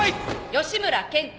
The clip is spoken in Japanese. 吉村健太。